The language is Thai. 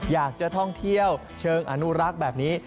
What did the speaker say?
อยากจะท่องเที่ยวเชิงอนุรักษ์แบบนี้